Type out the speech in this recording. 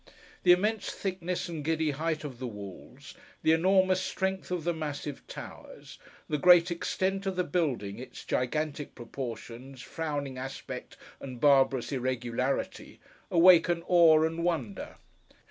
The immense thickness and giddy height of the walls, the enormous strength of the massive towers, the great extent of the building, its gigantic proportions, frowning aspect, and barbarous irregularity, awaken awe and wonder.